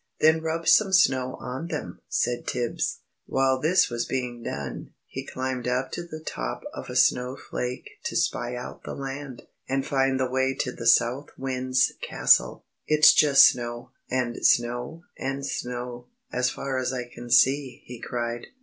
"Then rub some snow on them," said Tibbs. While this was being done, he climbed up to the top of a snowflake to spy out the land, and find the way to the South Wind's Castle. "It's just snow, and snow, and snow, as far as I can see," he cried.